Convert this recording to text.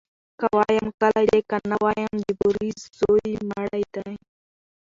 ـ که وايم کلى دى ، که نه وايم د بورې زوى مړى دى.